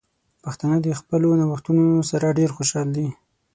پښتانه د خپلو نوښتونو سره ډیر خوشحال دي.